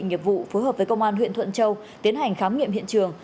nghiệp vụ phối hợp với công an huyện thuận châu tiến hành khám nghiệm hiện trường